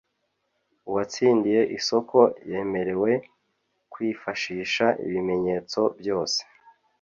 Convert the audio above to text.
Uwatsindiye isoko yemerewe kwifashisha ibimenyetso byose